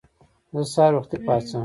زه د سهار وختي پاڅم.